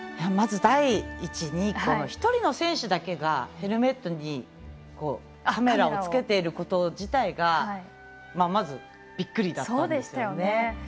まず、第１に１人の選手だけがヘルメットにカメラをつけていること自体がまずびっくりだったんですよね。